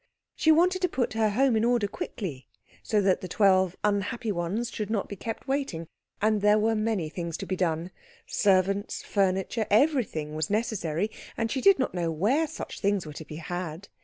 She wanted to put her home in order quickly, so that the twelve unhappy ones should not be kept waiting; and there were many things to be done. Servants, furniture, everything, was necessary, and she did not know where such things were to be had.